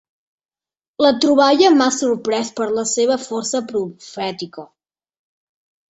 La troballa m'ha sorprès per la seva força profètica.